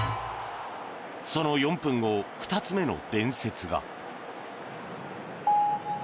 その４分後、２つ目の伝説が。